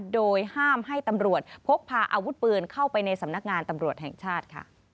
โดยห้ามให้ตำรวจพกพาอาวุธปืนเข้าไปในสำนักงานตำรวจแห่งชาติ